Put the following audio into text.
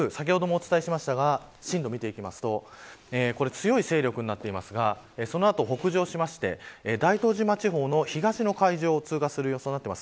先ほどもお伝えしましたが進路を見ていきますと強い勢力になっていますがその後、北上して大東島地方の東の海上を通過する予想です。